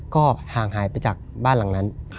ก็ห่างหายไปจากบ้านหลังนั้น